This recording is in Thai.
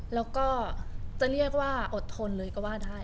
แล้วก็จะเรียกว่าอดทนเลยก็ว่าได้